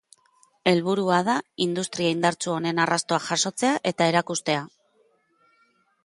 Helburua da industria indartsu honen arrastoak jasotzea eta erakustea.